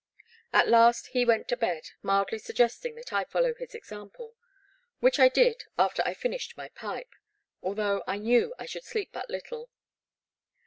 At last he went to bed, mildly suggesting that I fol low his example, which I did after I finished my pipe, although I knew I should sleep but little.